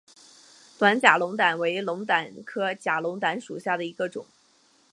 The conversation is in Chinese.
矮假龙胆为龙胆科假龙胆属下的一个种。